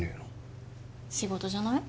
仕事じゃない？